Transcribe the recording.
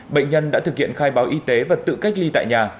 bệnh nhân đã thực hiện khai báo y tế và tự cách ly tại nhà